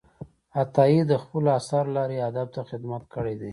عطايي د خپلو آثارو له لارې ادب ته خدمت کړی دی.